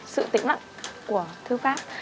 sự tĩnh lặng của thư pháp